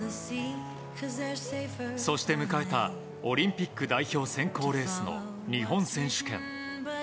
そして迎えたオリンピック代表選考レースの日本選手権。